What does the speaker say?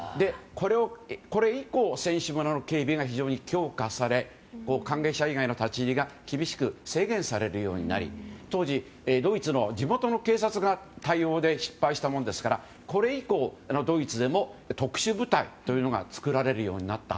これ以降、選手村の警備が非常に強化され関係者以外の立ち入りが厳しく制限されるようになり当時ドイツの地元の警察が対応で失敗したものですからこれ以降、ドイツでも特殊部隊というのが作られるようになった。